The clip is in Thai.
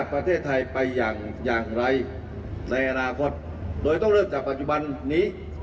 การแก้ปัญหานั้นเป็นไปได้อย่างดีผลสำริท